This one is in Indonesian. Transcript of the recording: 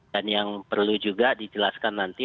dan yang perlu juga dijelaskan nanti